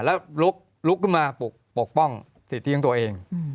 แล้วลุกขึ้นมาปกป้องสิทธิของตัวเอง